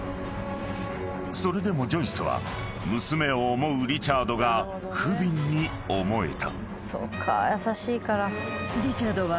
［それでもジョイスは娘を思うリチャードがふびんに思えた］